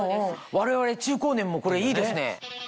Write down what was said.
我々中高年もこれいいですね。